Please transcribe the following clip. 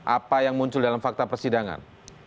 apa yang muncul dalam fakta persidangan